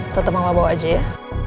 tetep sama lo bawaja ya